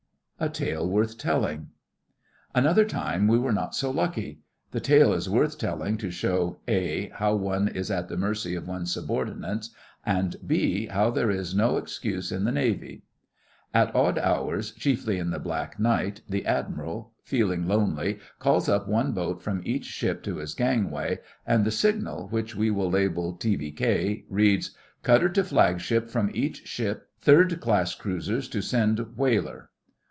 A TALE WORTH TELLING Another time we were not so lucky. The tale is worth telling to show (a) how one is at the mercy of one's subordinates, and (b) how there is no excuse in the Navy. At odd hours, chiefly in the black night, the Admiral, feeling lonely, calls up one boat from each ship to his gangway, and the signal, which we will label T.V.K., reads: 'Cutter to Flagship from each ship; third class cruisers to send whaler.